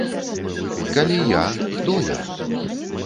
Калі я, хто я?